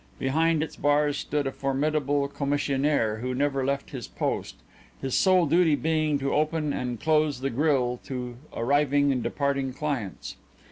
Behind its bars stood a formidable commissionaire who never left his post, his sole duty being to open and close the grille to arriving and departing clients.